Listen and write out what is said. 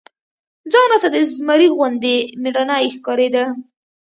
ځان راته د زمري غوندي مېړنى ښکارېده.